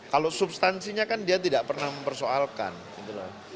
kalau substansinya kan dia tidak pernah mempersoalkan gitu loh